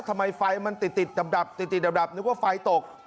ทำไมไฟมันติดดับติดดับนึกว่าไฟตก